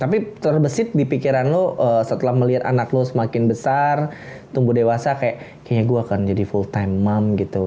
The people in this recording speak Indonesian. tapi terbesit di pikiran lo setelah melihat anak lo semakin besar tumbuh dewasa kayak kayaknya gue akan jadi full time mom gitu